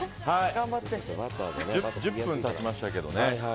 １０分経ちましたけどね。